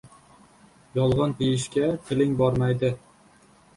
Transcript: Yolgʻon deyishga tiling bormaydi